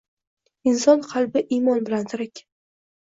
Inson qalbi imon bilan tirik.